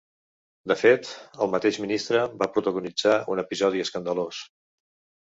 De fet, el mateix ministre va protagonitzar un episodi escandalós.